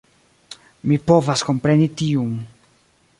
Mi povas kompreni tiun